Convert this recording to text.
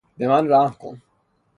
به من رحم کن!